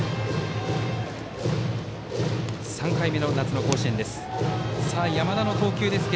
３回目の夏の甲子園です。